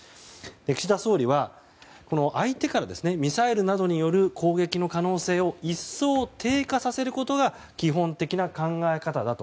岸田総理は、相手からミサイルなどによる攻撃の可能性を一層低下させることが基本的な考え方だと。